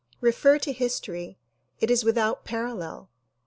Refer to history. It is without parallel.